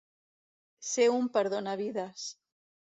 Ser un perdonavides.